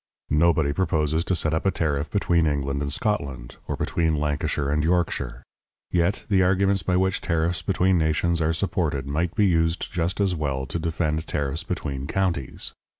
Nobody proposes to set up a tariff between England and Scotland, or between Lancashire and Yorkshire. Yet the arguments by which tariffs between nations are supported might be used just as well to defend tariffs between counties.